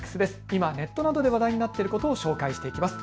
今ネットなどで話題になっていることを紹介していきます。